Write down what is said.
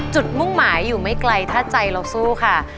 มุ่งหมายอยู่ไม่ไกลถ้าใจเราสู้ค่ะ